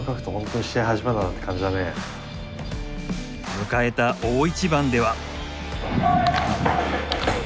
迎えた大一番では。